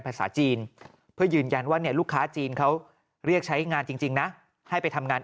ภาษาจีนเพื่อยืนยันว่าเนี่ยลูกค้าจีนเขาเรียกใช้งานจริงนะให้ไปทำงาน